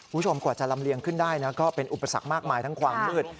คุณผู้ชมกว่าจะลำเลียงขึ้นได้นะก็เป็นอุปสรรคมากมายทั้งความมืด